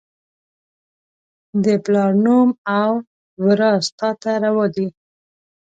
د پلار نوم او، وراث تا ته روا دي